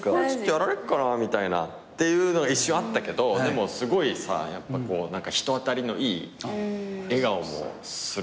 やられっかなみたいな。っていうのが一瞬あったけどでもすごいさやっぱ人当たりのいい笑顔もするじゃん。